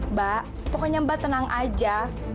mbak pokoknya mbak tenang aja